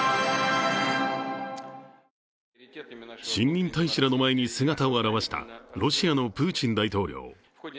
新任大使らの前に姿を現したロシアのプーチン大統領。